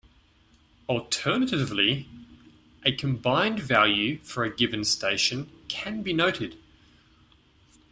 Alternatively, a combined value for a given station can be noted.